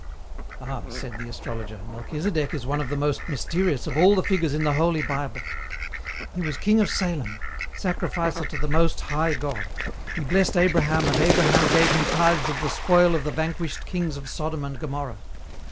"Ah," said the astrologer, "Melchisedek is one of the most mysterious of all the figures in the Holy Bible. He was king of Salem, sacrificer to the Most High God. He blessed Abraham and Abraham gave him tithes of the spoil of the vanquished kings of Sodom and Gomorrah.